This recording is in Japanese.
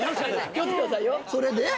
気をつけてくださいよそれで？